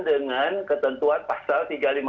dengan ketentuan pasal tiga ratus lima puluh